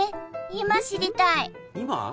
今知りたい今？